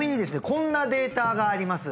こんなデータがあります